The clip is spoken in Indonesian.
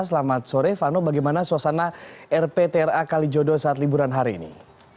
selamat sore vano bagaimana suasana rptra kalijodo saat liburan hari ini